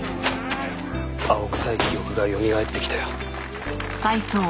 青臭い記憶がよみがえってきたよ。